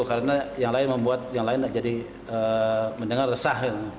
karena yang lain membuat yang lain jadi mendengar resah